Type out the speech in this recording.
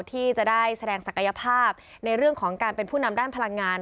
ที่จะได้แสดงศักยภาพในเรื่องของการเป็นผู้นำด้านพลังงาน